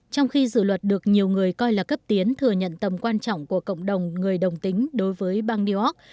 trong khi dự luật được nhiều người coi là cấp tiến thừa nhận tầm quan trọng của cộng đồng người đồng tính đối với bang new york